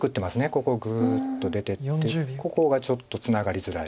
ここグッと出てってここがちょっとツナがりづらい。